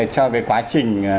cho cái quá trình